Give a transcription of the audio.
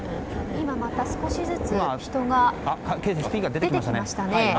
今また少しずつ人が出てきましたね。